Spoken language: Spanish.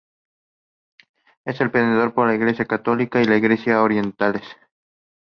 Es venerado por la Iglesia Católica y las iglesias orientales.